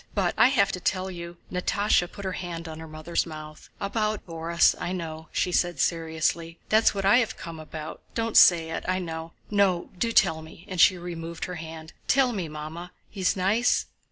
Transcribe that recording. —But I have to tell you..." Natásha put her hand on her mother's mouth. "About Borís... I know," she said seriously; "that's what I have come about. Don't say it—I know. No, do tell me!" and she removed her hand. "Tell me, Mamma! He's nice?"